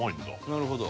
なるほど。